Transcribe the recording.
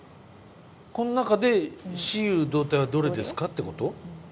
この中で雌雄同体はどれですかっていうこと？